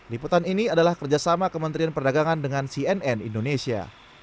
liputan ini adalah kerjasama kementerian perdagangan dengan cnn indonesia